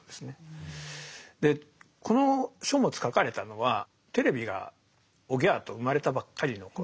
でこの書物書かれたのはテレビがおぎゃあと生まれたばっかりの頃なんですね。